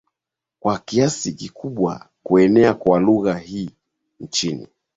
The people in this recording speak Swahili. kwakiasi kikubwa kuenea kwa lugha hii nchini